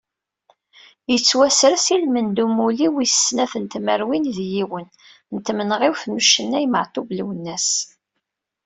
Yettwasers i lmend n umulli wis n snat tmerwin d yiwen, n tmenɣiwt n ucennay Matub Lwennas.